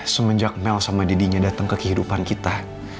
semenjak mel sama dirinya datang ke kehidupan kita